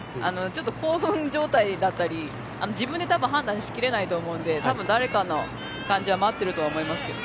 興奮状態だったり自分でたぶん判断しきれないと思うんでたぶん誰かを待ってるかと思いますけどね。